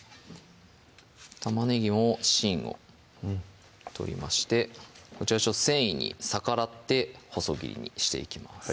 玉ねぎも芯を取りましてこちら繊維に逆らって細切りにしていきます